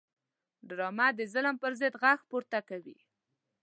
ډرامه د ظلم پر ضد غږ پورته کوي